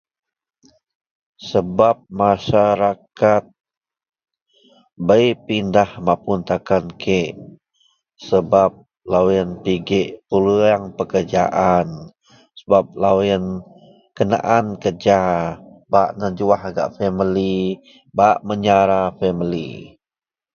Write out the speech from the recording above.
sebab masyarakat bei pindah mapun takan kek sebab loyien pigek peluang pekerjaan, sebab loyien kenaan kerja bak nejuah gak family bak meyara family.